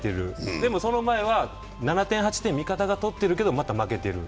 でもその前は７点、８点、味方がとってるけどまた負けてる。